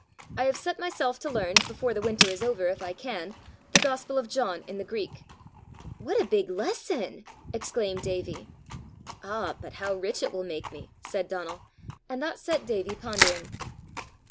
I have set myself to learn, before the winter is over if I can, the gospel of John in the Greek." "What a big lesson!" exclaimed Davie. "Ah, but how rich it will make me!" said Donal, and that set Davie pondering.